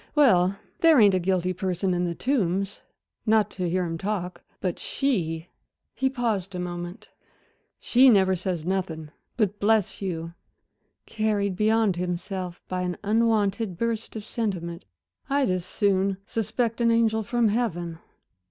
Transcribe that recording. "Well, there ain't a guilty person in The Tombs not to hear them talk; but she" he paused a moment. "She never says nothing; but bless you" carried beyond himself by an unwonted burst of sentiment "I'd as soon suspect an angel from heaven."